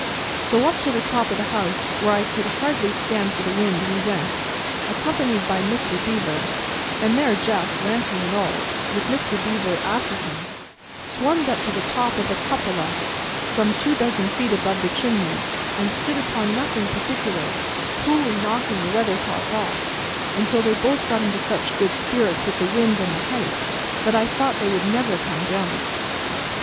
So, up to the top of the house, where I could hardly stand for the wind, we went, accompanied by Mr. Beaver; and there Jack, lantern and all, with Mr. Beaver after him, swarmed up to the top of a cupola, some two dozen feet above the chimneys, and stood upon nothing particular, coolly knocking the weathercock off, until they both got into such good spirits with the wind and the height, that I thought they would never come down.